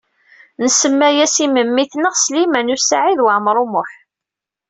Nsemma-as i memmi-tneɣ Sliman U Saɛid Waɛmaṛ U Muḥ.